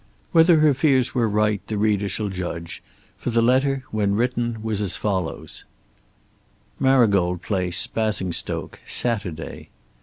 Whether her fears were right the reader shall judge, for the letter when written was as follows: Marygold Place, Basingstoke, Saturday.